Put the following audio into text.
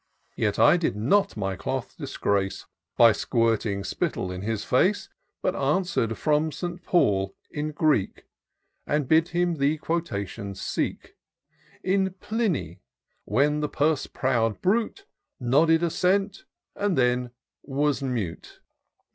Yet I did not my cloth disgrace By squirting spittle in his face; But answer'd from St. Paul, in Greek, And bid him the quotation seek 348 TOUR OF DOCTOR SYNTAX In Pliny :— When the purse proud brute Nodded assent — and then was mute.